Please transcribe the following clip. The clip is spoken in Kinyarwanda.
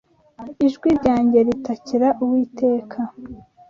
Ijwi ryanjye ritakira Uwiteka